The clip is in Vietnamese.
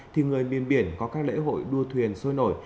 thì người miền biển có các lễ hội đua thuyền sôi nổi